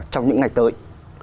trong những ngày tới